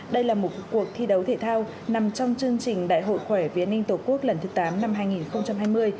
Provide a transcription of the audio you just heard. đây là một cuộc thi đấu thể thao nằm trong chương trình đại hội khỏe vì an ninh tổ quốc lần thứ tám năm hai nghìn hai mươi